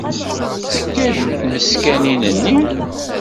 Tettekkad deg tmeskanin-nni?